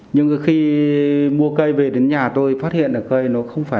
nhưng khi mua cây về đến nhà tôi phát hiện ở cây nó không phải